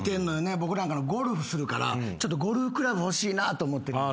僕なんかゴルフするからちょっとゴルフクラブ欲しいなと思ってるんです。